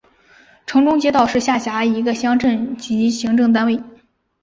城中街道是下辖的一个乡镇级行政单位。